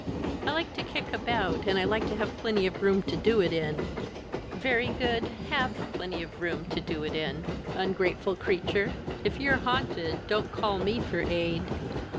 I like to kick about, and I like to have plenty of room to do it in." "Very good have plenty of room to do it in. Ungrateful creature! If you're haunted, don't call to me for aid."